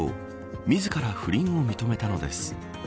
自ら不倫を認めたのです。